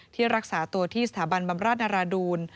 รักษาตัวที่สถาบันบำราชนราดูล